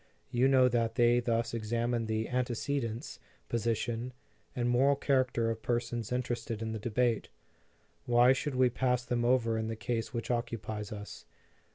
You know that they thus examine the antecedents, position, and moral character of persons interested in the debate. Why should we pass them over in the case which occupies us?